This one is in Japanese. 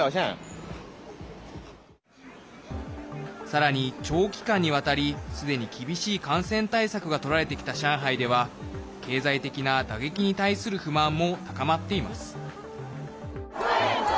さらに、長期間にわたりすでに厳しい感染対策がとられてきた上海では経済的な打撃に対する不満も高まっています。